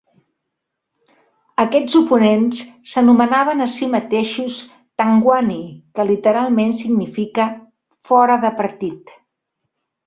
Aquests oponents s'anomenaven a si mateixos "Tangwai", que literalment significa "fora del partit".